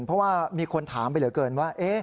เพราะว่ามีคนถามไปเหลือเกินว่า